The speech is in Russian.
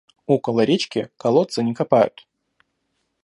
Около речки колодца не копают.